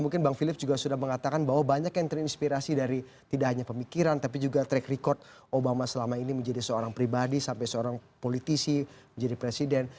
mungkin bang philip juga sudah mengatakan bahwa banyak yang terinspirasi dari tidak hanya pemikiran tapi juga track record obama selama ini menjadi seorang pribadi sampai seorang politisi menjadi presiden